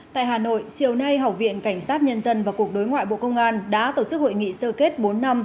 tại hà nội chiều nay học viện cảnh sát nhân dân và cục đối ngoại bộ công an đã tổ chức hội nghị sơ kết bốn năm